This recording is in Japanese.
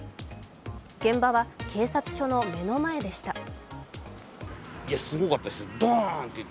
現場は警察署の目の前でした。